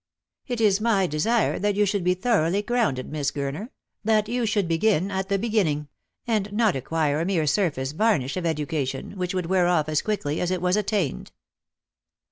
It is my desire that you should be thoroughly grounded, Miss Gurner — that you should begin at the begin ning — and not acquire a mere surface varnish of education, which would wear off as quickly as it was attained."